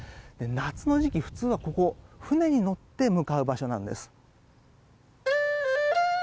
夏の時期、普通はここ船に乗って向かう場所なんです。